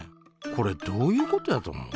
これどういうことやと思う？